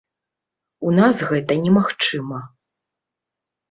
У нас гэта немагчыма.